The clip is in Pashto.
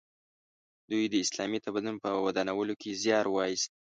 دوی د اسلامي تمدن په ودانولو کې زیار وایست.